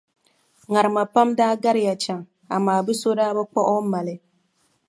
Ŋarima pam daa gariya chaŋ amaa bɛ so daa bi kpuɣi o mali.